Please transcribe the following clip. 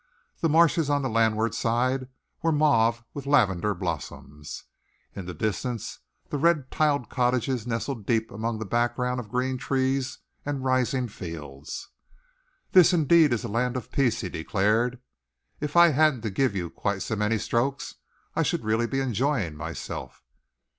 The marshes on the landward side were mauve with lavender blossom. In the distance, the red tiled cottages nestled deep among a background of green trees and rising fields. "This indeed is a land of peace," he declared. "If I hadn't to give you quite so many strokes, I should be really enjoying myself."